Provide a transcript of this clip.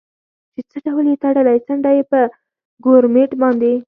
چې څه ډول یې تړلی، څنډه یې په ګورمېټ باندې.